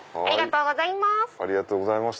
ありがとうございます。